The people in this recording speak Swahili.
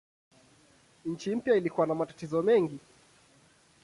Nchi mpya ilikuwa na matatizo mengi.